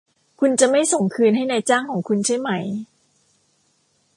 คุณจะไม่ส่งคืนให้นายจ้างของคุณใช่ไหม